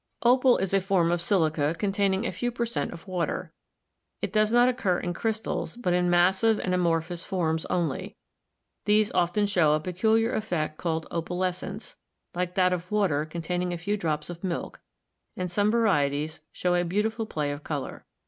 Opal is a form of silica containing a few per cent, of water. It does not occur in crystals, but in massive and amorphous forms only; these often show a peculiar effect called opalescence, like that of water containing a few drops of milk, and some varieties show a beautiful play of color.